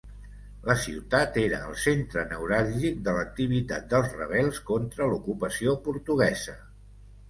La ciutat era el centre neuràlgic de l'activitat dels rebels contra l'ocupació portuguesa.